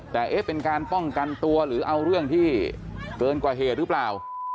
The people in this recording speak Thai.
แต่เอ๊ะเป็นการป้องกันตัวหรือเอาเรื่องที่เกินกว่าเหตุหรือเปล่า